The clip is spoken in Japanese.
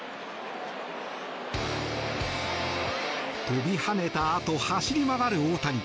跳びはねたあと走り回る大谷。